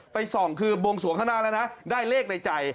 ส่องคือบวงสวงข้างหน้าแล้วนะได้เลขในใจ